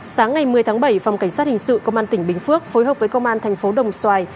sáng ngày một mươi tháng bảy phòng cảnh sát hình sự công an tỉnh bình phước phối hợp với công an thành phố đồng xoài